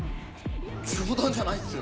冗談じゃないっすよ。